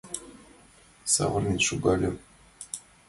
Савырнен шогальым.